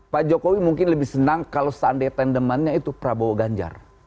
pak jokowi mungkin lebih senang kalau seandainya tandemannya itu prabowo ganjar